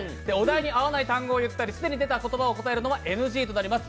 お題に会わない単語を言ったり、既に行った単語を言うとＮＧとなります。